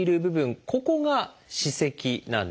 ここが歯石なんです。